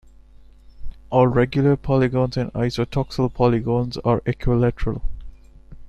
All regular polygons and isotoxal polygons are equilateral.